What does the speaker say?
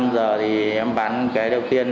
thì em bán cái đầu tiên